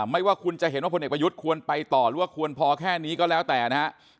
ไม่ว่าคุณจะเห็นว่าพลเอกประยุทธ์ควรไปต่อหรือว่าควรพอแค่นี้ก็แล้วแต่นะครับ